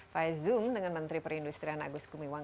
pak zung dengan menteri perindustrian agus gumiwang